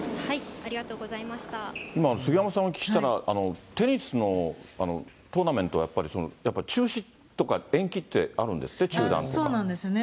今、杉山さん、お聞きしたら、テニスのトーナメント、やっぱり中止とか、延期ってあるんですっそうなんですよね。